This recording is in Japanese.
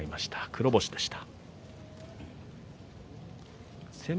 黒星でした。